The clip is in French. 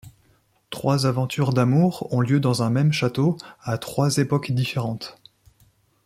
Trois aventures d'amour ont lieu dans un même château à trois époques différentes.